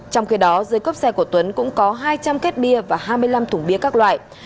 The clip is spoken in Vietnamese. trong khi đó dưới cốp xe của tuấn cũng có hai trăm linh kết bia và hai mươi năm thùng bia các loại